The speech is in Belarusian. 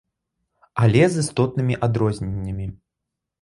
Але з істотнымі адрозненнямі.